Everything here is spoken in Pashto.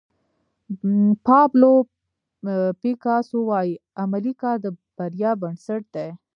پابلو پیکاسو وایي عملي کار د بریا بنسټ دی.